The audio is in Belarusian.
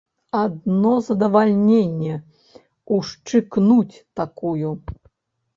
Адно задавальненне ўшчыкнуць такую!